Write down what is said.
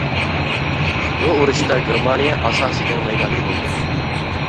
بۇ ئۇرۇشتا گېرمانىيە ئاساسىي جەڭ مەيدانى بولدى.